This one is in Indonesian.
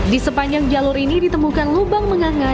di sepanjang jalur ini ditemukan lubang menganga